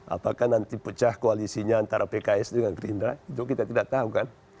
apakah nanti pecah koalisinya antara pks dengan gerindra itu kita tidak tahu kan